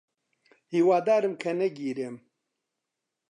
هیوادارم کە نەگیرێم.